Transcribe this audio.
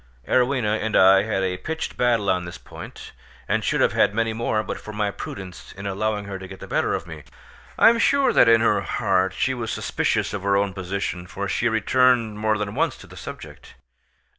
Arowhena and I had a pitched battle on this point, and should have had many more but for my prudence in allowing her to get the better of me. I am sure that in her heart she was suspicious of her own position for she returned more than once to the subject.